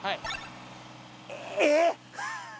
えっ！？